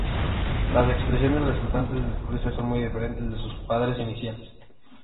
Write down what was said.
Las expresiones resultantes del cruce son muy diferentes de sus padres iniciales.